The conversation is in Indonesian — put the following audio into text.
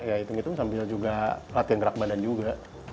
ya itu itu sambil juga latihan gerak badan juga